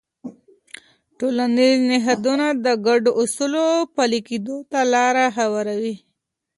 ټولنیز نهادونه د ګډو اصولو پلي کېدو ته لاره هواروي.